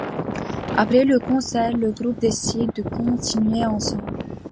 Après le concert, le groupe décide de continuer ensemble.